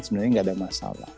sebenarnya nggak ada masalah